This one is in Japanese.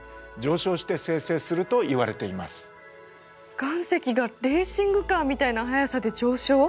岩石がレーシングカーみたいな速さで上昇？